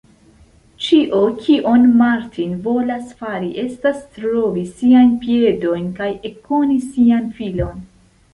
Ĉio, kion Martin volas fari, estas trovi siajn piedojn kaj ekkoni sian filon.